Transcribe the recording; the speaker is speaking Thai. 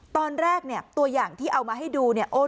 ตอนแรกเนี่ยตัวอย่างที่เอามาให้ดูเนี่ย